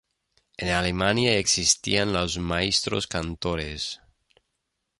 En Alemania existían los maestros cantores.